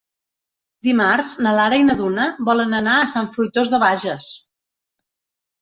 Dimarts na Lara i na Duna volen anar a Sant Fruitós de Bages.